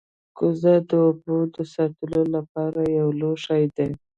کوزه د اوبو د ساتلو لپاره یو لوښی دی